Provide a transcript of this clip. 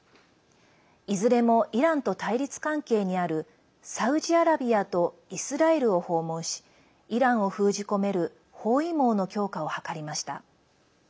いずれもイランと対立関係にあるサウジアラビアとイスラエルを訪問しイランを封じ込める包囲網の強化を図りました。